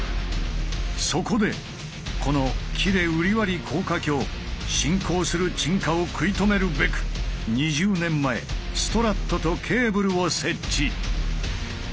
そこでこの喜連瓜破高架橋進行する沈下を食い止めるべく２０年前ストラットとケーブルを設置。